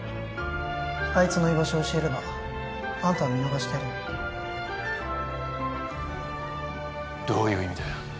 あいつの居場所を教えればあんたは見逃してやるよどういう意味だよ？